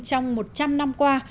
trong một trăm linh năm qua